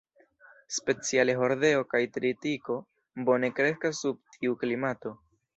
Speciale hordeo kaj tritiko bone kreskas sub tiu klimato.